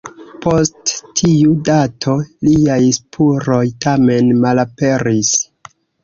Post tiu dato liaj spuroj tamen malaperis.